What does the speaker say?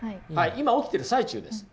今起きてる最中です。